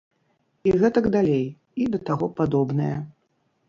І гэтак далей, і да таго падобнае.